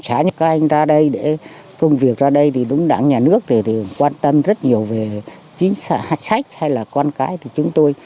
các anh ra đây để công việc ra đây thì đúng đảng nhà nước thì quan tâm rất nhiều về chính xác hay là con cái của chúng tôi